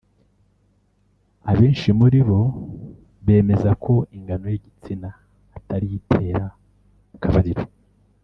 abenshi muri bo bemeza ko ingano y’igitsina atari yo itera akabariro